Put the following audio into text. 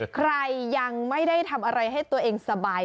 ใครยังไม่ได้ทำอะไรให้ตัวเองสบาย